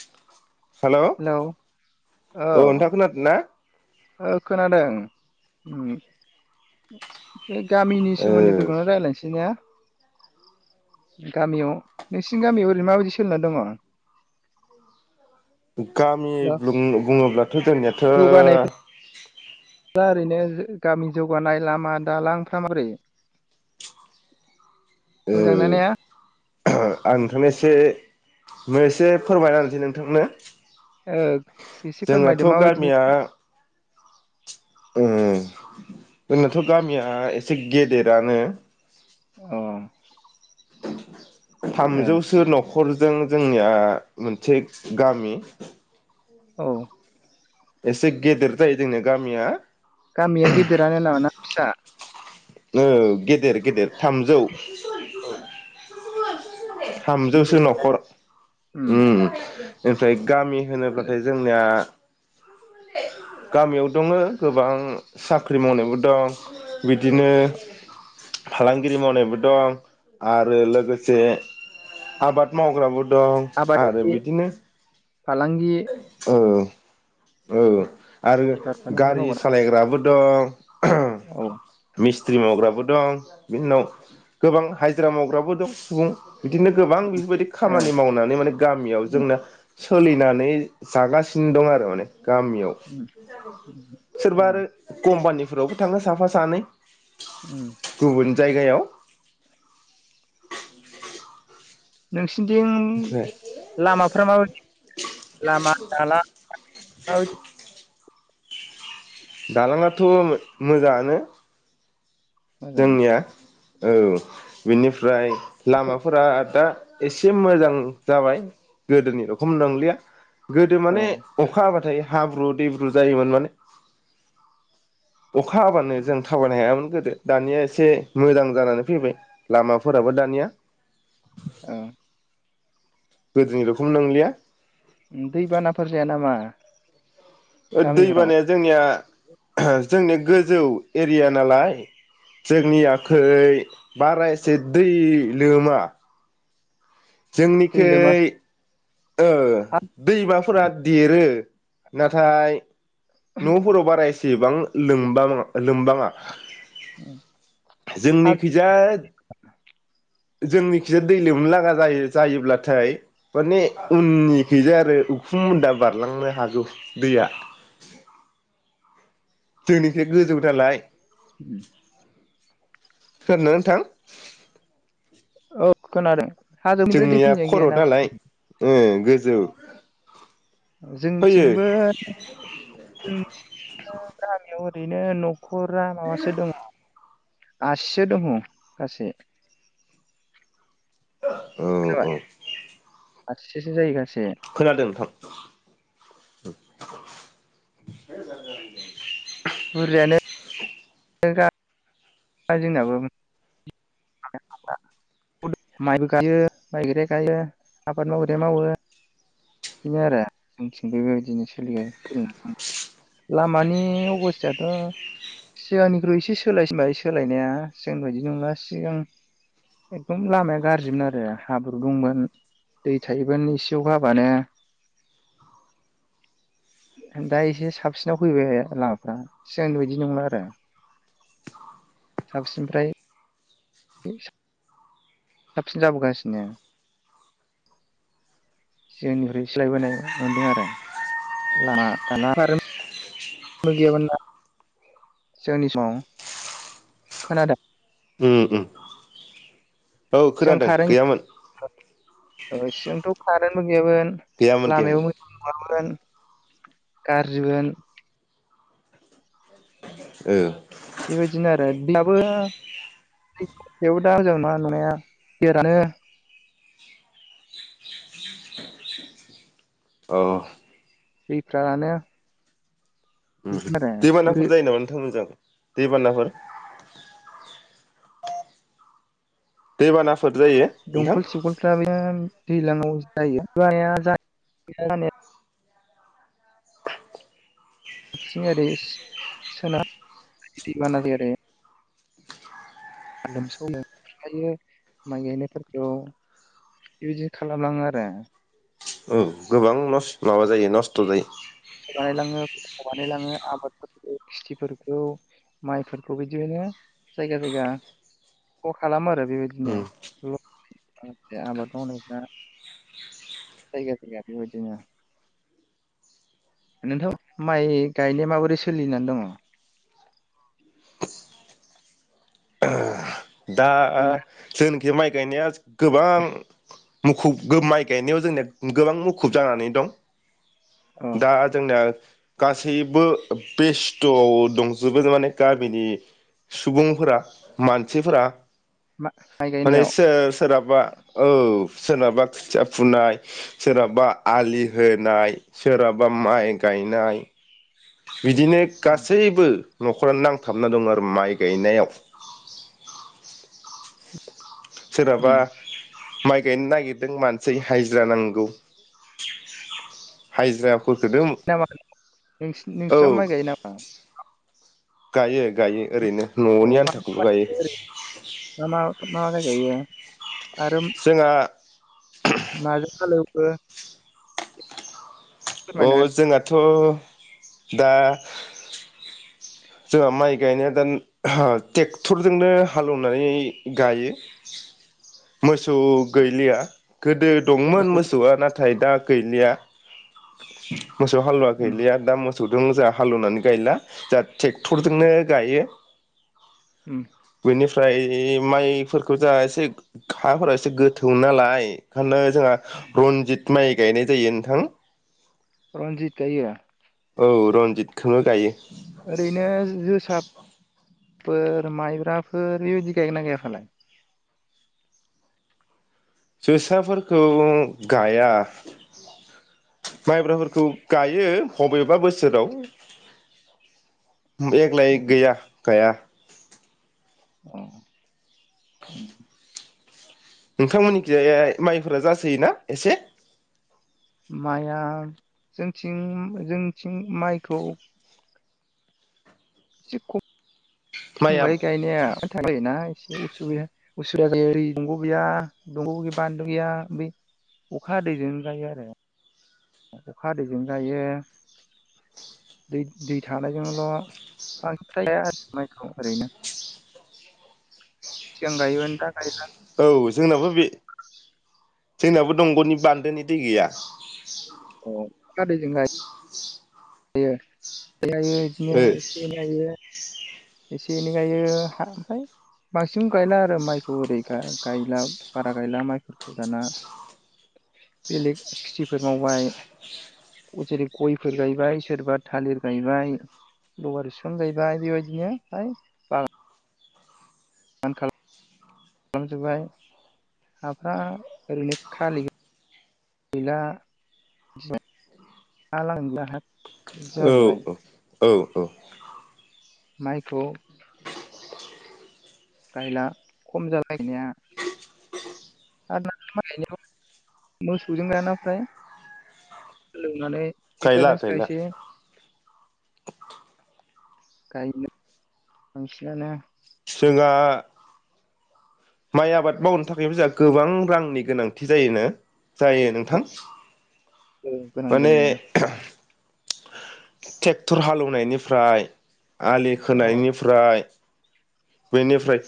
[inaudible] Hello औ औ नोंथां खोनादों ना? खोनादों ओम बे गामिनि सोमोन्दैफोरखौनो ओ रायजलायनोसै ना गामियाव नोंसिनि गामियाव ओरैनो माबायदि सोलिना दङ? गामि बुङोब्लाथ' जोंनियाथ' जौगानायफोरा ओरैनो गामि जौगानाय लामा दालांफ्रा माबोरै? ओ मोजांना ने? [unintelligible] आं नोंथांनो एसे नो एसे फोरमायना होनोसै नोंथांनो ओ एसे फोरमायदो जोंनाथ' माबायदि गामिया ओ जोंनाथ' गामिया एसे गेदेरानो अ ए थामजौसो न'ख न'खरजों जोंनिया मोनसे गामि औ एसे गेदेर जायो जोंनिया गामिया गामिया गेदेरानो न ना? फिसा औ गेदेर गेदेर थामजौ औ [unintelligible] थामजौसो गेदेर ना न'खर उम ओम [unintelligible] गामि होनोब्लाथाय जोंनिया गामियाव दङो गोबां साख्रि मावनायबो दं बिदिनो फालांगिरि मावनायबो दं आरो लोगोसे आबाद मावग्राबो दं आरो आबादारि बिदिनो फालांगि औ आरो बेफार फालांगि गारि मावग्रा सालायग्राबो दं [unintelligible] औ मिस्थ्रि मावग्राबो दं बिनि उनाव गोबां हाजिरा मावग्राबो दं सुबुं बिदिनो गोबां बेफोरबायदि ए खामानि मावनानै माने गामियाव उम जोंना सोलिनानै जागासिनो दं आरो माने गामियाव उम उम औ सोरबा आरो कम्पानि फ्रावबो थाङो साफा सानै उम गुबुन जायगायाव नोसि ओमफ्राय बिथिं लामाफ्रा माबायदि लामा दाला माबादि दालाङाथ मोजाङानो मोजां जोंनिया औ बिनिफ्राय लामाफोरा दा एसे मोजां जाबाय गोदोनि रखम नंलिया गोदो औ माने अखा हाबाथाय हाब्रु दैब्रु जायोमोन माने अखा हाबानो जों थाबायनो हायामोन गोदो दानिया एसे मोजां जानानै फैबाय लामाफोराबो दानिया ए गोदोनि रखोम नंलिया दैबानाफोर जाया नामा गामिफोराव दैबानाया जोंनिया जोंनि गोजौ एरिया नालाय जोंनि आखै बारायसे दै लोमा दै लोमा? जोंनिखियै ओ दैमाफोरा देरो नाथाय न'फोराव बारा [unintelligible] एसेबां लम लोमबाङा जोंनिखैजा जोंनिखिजाया दै लोमनोलागा जायो जायोब्लाथाय माने उननिखैजाय आरो उखुम मुनन्दा बारलांनो हागौ दैया जोंनिफ्राय गोजौनालाय [unintelligible] नोंथां औ खोनादों हाजोनिफ्राय दै जोंनिया फैनाय खर' गैया नामा? नालाय गोजौ फैयो जोंथिंबो जोंनि थिंना गामियाव ओरैनो न' नखरा माबासो दङ आसिसो दङ गासै औ औ आसिसोसो जायो गासै खोनादों नोंथां बुरजायानो [unintelligible] जोंनाबो माइबो गायो माइ गायग्राया गायो आबाद मावग्राया मावो बेनो आरो जोंथिं बे बेबायदिनो सोलि सोलि थ लामानि बिदिनो आरो जोंथिंजायबो बिदिनो सोलिगासिनो सोलिना दङ लामानि अबसथायाथ'सिगांनिख्रुइ एसे सोलायसिनबाय सोलायनाया सिगांनिबायदि नंला सिगां एकदम लामाया गाज्रिमोन आरो हाब्रु दंमोन दै थायोमोन एसे अखा हाबानो दा एसे साबसिनाव फैबाय लामाफ्रा सिगांनिबायदि नंला आरो साबसिनफ्राय बि [unintelligible] साबसिन जाबोगासिनो सिगांनिफ्राय सोलायबोनाय मोनदों आरो लाम दालां बो गैयामोन ना सिगांनि समाव खोनादों उम उम औ सिगां खोनादों कारेन्ट गैयामोन सिगांथ खारेंबो गैयामोन गैयामोन गैयामोन लामायायाबो मोजां नङामोन गारजिमोन ओ बेबायदिनो आरो होमबाबो [unintelligible] औ दैफ्रा रानो दैबानाफोर जायो नामा नोंथां ओजा दैबानाफोर दैेबानास दंखल थिबखलफ्रानो दैज्लाङाव जायो जानाया [unintelligible] बिथिं ओरै सोनाब दैबाना ओरै लोमसावलांङो माइ गायनायफोरखौ बेबायदि खालामलाङो आरो औ गोबां लस माबा जायो नस्थ' जायो बानायलाङो बानायलाङो आबादफोरखौ खिथिफोरखौ माइफोरखौ बिदिनो जायगा जायगा खहाखालामो आरो बेबायदिनो उम आ आबाथ थैग थैगबायदि नोंथां माइ गायनाया माबोरै सोलिनानै दङ दा जों बे माय गायनाया गोबां मुखुब माइ गायनायाव जोंनिया गोबां मुखुब जानानै दं अ दा जोंनिया गासैबो बेस्थ'आव दंजोबो माने गामिनि सुबुंफोरा मानसिफोरा मा माइ माने गायनायाव सोर सोरहाबा औ सोरनाबा खोथिया फुनाय सोरनाबा आलि होनाय सोरहाबा माइ गायनाय [inaudible] बिदिनो गासैबो न'खरानो नांथाबना दङ आरो माइ गायनायाव उम सोरहाबा माइ गायनो नागिरदों मानसि हाजिरा नांगौ हाजिरा नामा नों औ नोंस्रा माइ गायो नामा? गायो गायो ओरैनो अ न'नि आन्थाखौल गायो मा माइ मा मा माय गायो? आरो जोंहा माजों हालौवो? बो अ जोंनाथ' दा जोंहा माइ गायनाया दा ट्रेक्टरजोंनो हालौवनानै गायो मोसौ होदो गैलिया गोदो दंमोन मोसौ मोसौआ नाथाय दा गैलिया मोसौ हालुवा उम गैलिया दा मो मोसौजों जोंहा हालेवनानै गायला जा ट्रेक्टरजोंनो गायो उम बिनिफ्राइ ओमफ्राय माइफोरखौ जा एसे हाफोरा एसे गोथौ नालाय ओंखायनो जोंहा रनजित माइ गायनाय जायो नोंथां रनजित गाययो औ रनजितखौनो गायो ओरैनो जोसा फोर माइब्राफोर बेबायदि गायगोन ना गैया फालाय? जोसाफोरखौ गाया माइब्राफोरखौ गायो बबेबा बोसोराव दजग्लाय उम गैया गाया औ नोंथांमोननि जाय हाय माइफोरा जासो जायो ना एसे माइआ जोंनिथिं जोंनिथिं माइखौ एसे खम माइआ फंगाय औ गायनाया [unintelligible] उसुबिदा जायो ओरै दंग' गैया दंग' गैया बानलु गैया बे अखा हदैजों जायो आरो अखा हदैजों गायो दै दै थानायजोंल' बांसिनथ गाया आरोखि माइखौ ओरैनो सिगां गायोमोन दा गायला औ जोंनाबो बे जोंनाबो दंग'नि बान्दोनि दै गैया अ नाथाय जोंना गायो। दायो बिदिनो ओ एसे गायो एसे एनै गायो ओमफ्राय बांसिन गायला आरो माइखौ ओरै गायला बारा गायला माइफोरखौ दाना बेलेग खिथिफोर मावबाय जेरै गयफोर गायबाय सोरबा थालिर गायबाय लवार ससन गायबाय बेबायदिनो बाय [unintelligible] हाफ्रा ओरैनो खालि गैला [unintelligible] औ जाजोब्बाय औ औ औ माइखौ गायला खम जाबाय गायनाया आरो दा माइ गायनायाव मोसौजों गायाना आफाय हालौनानै पेक्टर गायला जोंसो गायला गासै। गायनो बांसिनानो जोंहा माइ आबाद मावनो थाखाय जों गोबां रांनि गोनांथि जायोनो जायो नोंथां। औ गोनां माने जायो। ट्रेक्टर हालेवनायनिफ्राय आलि औ खोनायनिफ्राय बेनिफ्राय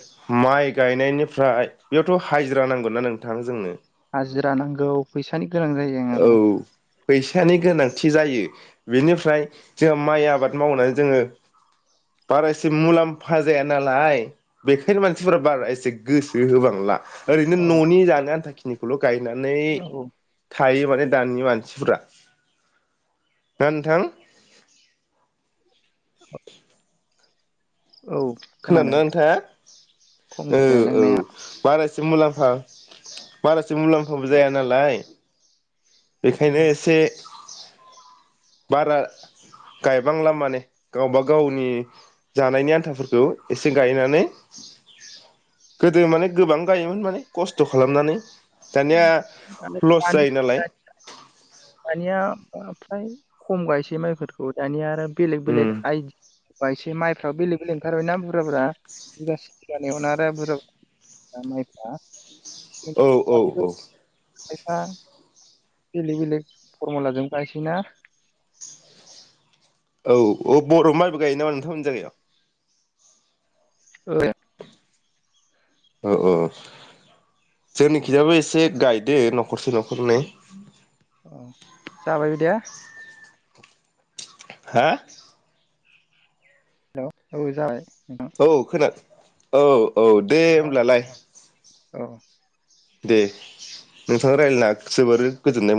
माइ गायनायनिफ्राय बेयावथ' हाजिरा नांगौना नोंथां जोंनो हाजिरा नांगौ फैसानि गोनां जायो ओं नि गोनांथि जायो बेनिफ्राय जोंहा माइ आबाद मावनानै जोङो बारा एसे मुलाम्फा जाया नालाय बेखायनो मानसिफोरा बारा एसे गोसो होबांला ओरैनो औ न'नि जानो आनथाखि [unintelligible] गायनानै औ थायो माथो दानि मानसिफोरा ना नोंथां औ खोनादोंना खोनादों नोंथांआ खम औ जाबाय - औ गायलांनाया बारासिम मुलाम्फा बारासो मुलाम्फाबो जाया नालाय बेखायनो एसे बारा गायबांला माने गावबा गावनि जानायनि आन्थाफोरखौ एसे गायनानै गोदो माने गोबां गायोमोन माने खस्थ' गायोमोन खालामनानै दानिया [unintelligible] लस जायो नालाय दानिया फ्राय खम गायसै माइफोरखौ दानिया आरो बेलेग उम बेलेग आदि गायसै माइफ्राबो बेलेग - बेलेग ओंखारबाय ना बुर जाया बिगासि [unintelligible] दा माइ फोरा औ औ [inaudible] - औ खायफा बेलेग - बेलेग फरमुलाजों गायसैनाया औ - औ बर' माइबो गायो नामा नोंथांमोन जायगायाव [unintelligible] औ - औ जोंनि औ खिजाबो एसे गाय दे न'खरसे न'खरनै औ जाबाय बिदिया हा हेलौ' औ जाबाय औ खोना औ औ दे होनब्लालाय नोंथां औ दे नोंथां रायजलायना जोबोर गोजोननाय मोन